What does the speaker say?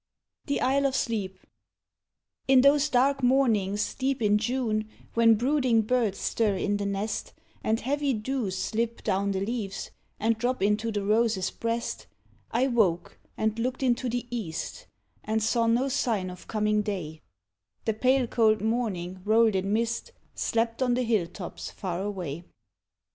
THE ISLE OF SLEEP. In those dark mornings, deep in June, When brooding birds stir in the nest, And heavy dews slip down the leaves, And drop into the rose's breast, I woke and looked into the east, And saw no sign of coming day, The pale cold morning rolled in mist, Slept on the hill tops far away.